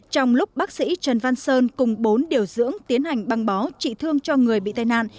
trong lúc bác sĩ trần văn sơn cùng bốn điều dưỡng tiến hành băng bó trị thương cho người bị tai nạn